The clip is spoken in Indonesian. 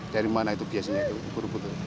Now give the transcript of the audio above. dari mana itu biasanya itu ubur ubur itu